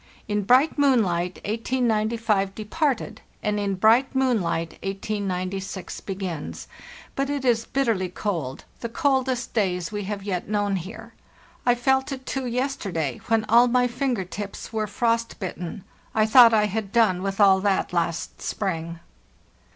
In bright moonlight 1895 departed, and in bright moonlight 1896 begins; but it is bitterly cold, the coldest days we have yet known here. I felt it, too, yesterday, when all my finger tips were frost bitten. I thought I had done with all that last spring.